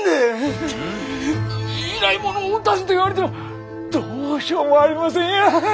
いない者を出せと言われてもどうしようもありませんや。